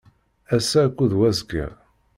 Ass-a akked wazekka.